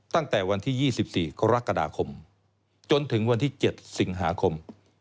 ตั้งแต่วันที่๒๔กรกฎาคมจนถึงวันที่๗สิงหาคม